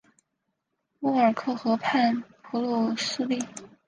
乌尔克河畔普吕斯利。